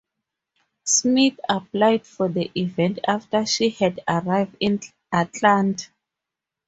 Smith applied for the event after she had arrived in Atlanta.